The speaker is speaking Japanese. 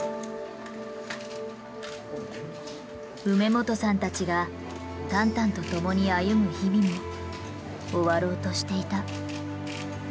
梅元さんたちがタンタンと共に歩む日々も終わろうとしていた。